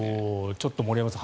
ちょっと森山さん